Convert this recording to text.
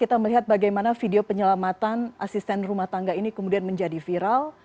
kita melihat bagaimana video penyelamatan asisten rumah tangga ini kemudian menjadi viral